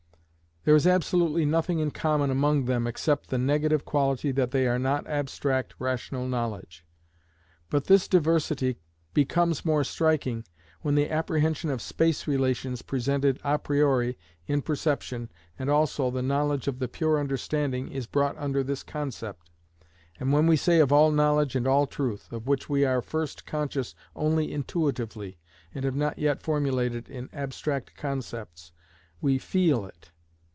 There is absolutely nothing in common among them except the negative quality that they are not abstract rational knowledge. But this diversity becomes more striking when the apprehension of space relations presented a priori in perception, and also the knowledge of the pure understanding is brought under this concept, and when we say of all knowledge and all truth, of which we are first conscious only intuitively, and have not yet formulated in abstract concepts, we feel it.